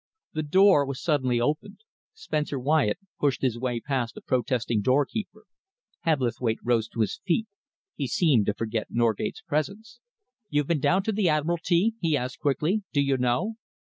The door was suddenly opened. Spencer Wyatt pushed his way past a protesting doorkeeper. Hebblethwaite rose to his feet; he seemed to forget Norgate's presence. "You've been down to the Admiralty?" he asked quickly. "Do you know?"